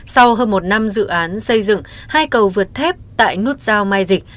sau hơn một năm dự án xây dựng hai cầu vượt thép tại nút giao mai dịch